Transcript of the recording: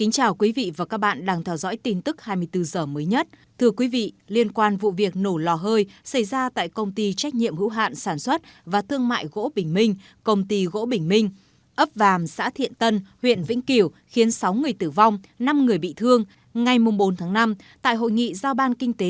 chào mừng quý vị đến với bộ phim hãy nhớ like share và đăng ký kênh của chúng mình nhé